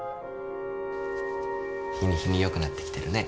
日に日に良くなってきてるね。